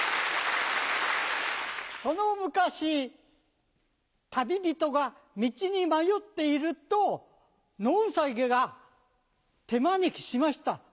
その昔旅人が道に迷っていると野ウサギが手招きしました。